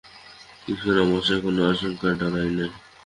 কিছু না মশায়, কোনো আশঙ্কায় ডরাই নে।